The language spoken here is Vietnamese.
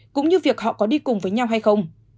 cũng như việc họ có đi cùng với nhau hay không